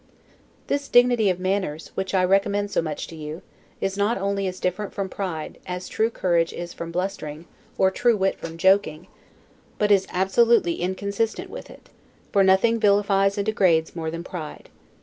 This dignity of manners, which I recommend so much to you, is not only as different from pride, as true courage is from blustering, or true wit from joking; but is absolutely inconsistent with it; for nothing vilifies and degrades more than pride.